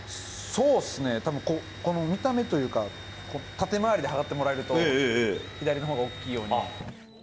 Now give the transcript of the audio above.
そうですね、この見た目というか、縦周りではかってもらえると、左のほうがおっきいように。